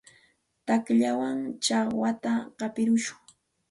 Tuqllawan chakwata hapishun.